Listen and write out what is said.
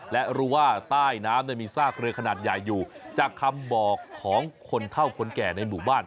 และรู้ว่าใต้น้ำมีซากเรือขนาดใหญ่อยู่จากคำบอกของคนเท่าคนแก่ในหมู่บ้าน